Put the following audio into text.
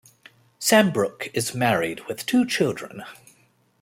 Sambrook is married with two children.